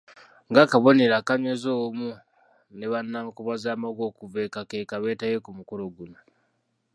Ng’akabonero akanyweza obumu ne bannankobazambogo okuva e Kakeeka beetabye ku mukolo guno.